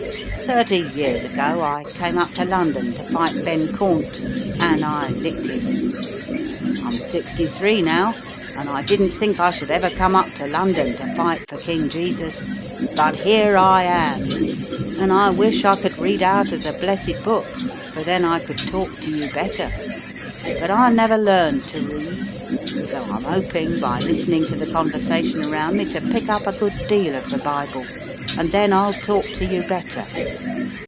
Thirty years ago I came up to London to fight Ben Caunt, and I licked him. I'm sixty three now, and I didn't think I should ever come up to London to fight for King Jesus. But here I am, and I wish I could read out of the blessed Book for then I could talk to you better. But I never learnt to read, though I'm hoping by listening to the conversation around me to pick up a good deal of the Bible, and then I'll talk to you better.